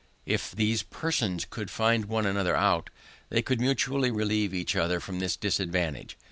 If these persons could find one another out, they could mutually relieve each other from this disadvantage.